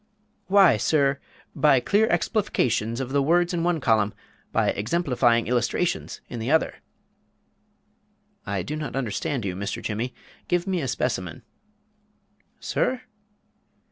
"Why, sir, by clear explifications of the words in one column, by exemplifying illustrations in the other." "I do not understand you, Mr. Jimmy, give me a specimen " "Sir?"